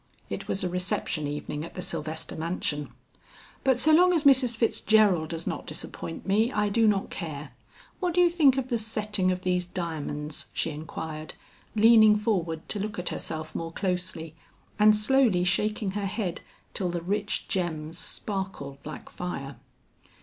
It was a reception evening at the Sylvester mansion. "But so long as Mrs. Fitzgerald does not disappoint me, I do not care. What do you think of the setting of these diamonds?" she inquired, leaning forward to look at herself more closely, and slowly shaking her head till the rich gems sparkled like fire.